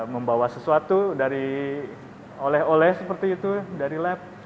membawa sesuatu oleh oleh seperti itu dari lab